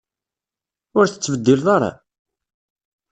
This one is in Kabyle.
Ur tettbeddileḍ ara?